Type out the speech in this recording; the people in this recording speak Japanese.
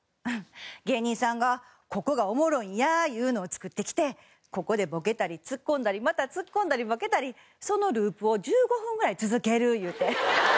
芸人さんがここがおもろいんやいうのを作ってきてここでボケたりツッコんだりまたツッコんだりボケたりそのループを１５分ぐらい続けるいうて。